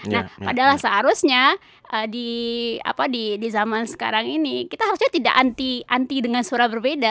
nah padahal seharusnya di zaman sekarang ini kita harusnya tidak anti dengan surat berbeda